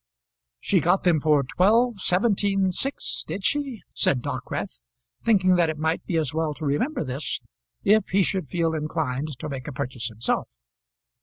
"She got them for twelve, seventeen, six; did she?" said Dockwrath, thinking that it might be as well to remember this, if he should feel inclined to make a purchase himself.